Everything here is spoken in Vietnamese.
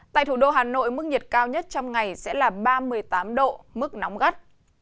tại thủ đô hà nội mức nhiệt cao nhất trong ngày sẽ là ba mươi tám độ mức nóng gắt